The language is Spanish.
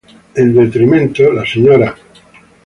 En detrimento la Sra.